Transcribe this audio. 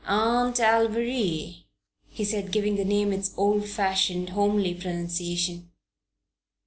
Aunt Alviry," he said, giving the name its old fashioned, homely pronunciation.